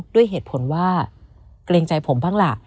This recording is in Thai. ด้วยเหตุผลว่าเกรงใจผมบ้างล่ะ